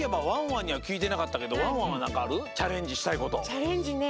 チャレンジね